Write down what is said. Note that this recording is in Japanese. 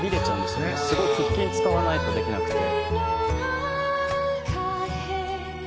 「すごい腹筋使わないとできなくて」